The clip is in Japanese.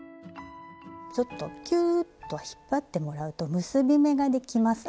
ちょっとキューッと引っ張ってもらうと結び目ができます。